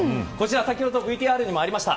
先ほどＶＴＲにもありました。